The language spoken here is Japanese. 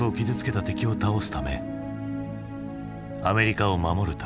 アメリカを守るため。